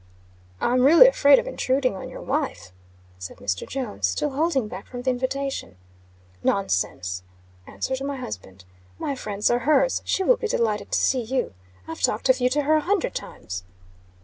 "I'm really afraid of intruding on your wife," said Mr. Jones, still holding back from the invitation. "Nonsense!" answered my husband. "My friends are hers. She will be delighted to see you. I've talked of you to her a hundred times."